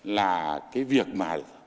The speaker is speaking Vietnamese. là cái việc mà